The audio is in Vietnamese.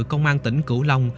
công an tỉnh cửu long